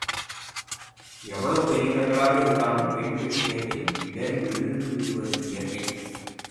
எவ்வளவு பெரியவர்களாக இருந்தாலும் பெண் விஷயத்தில் இடறி விழுந்து விடுவது இயற்கை.